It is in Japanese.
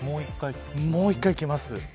もう一回、きます。